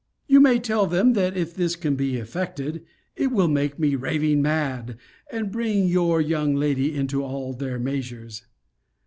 You may tell them, that if this can be effected, it will make me raving mad; and bring your young lady into all their measures.